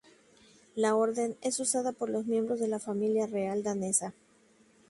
La orden es usada por los miembros de la familia real danesa.